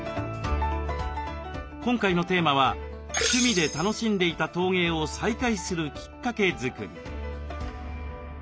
今回のテーマは「趣味で楽しんでいた陶芸を再開するキッカケ作り」。